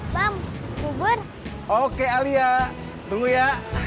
bang bubur oke alia tunggu ya